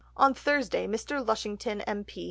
On Thursday Mr. Lushington, M.P.